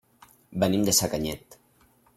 Venim de Sacanyet.